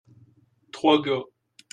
trois gars.